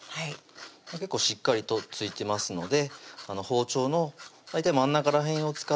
結構しっかりと付いてますので包丁の大体真ん中ら辺を使ってしっかり取っていきます